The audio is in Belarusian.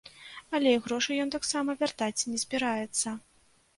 Але і грошы ён таксама вяртаць не збіраецца.